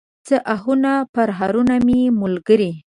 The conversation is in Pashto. څه آهونه، پرهرونه مې ملګري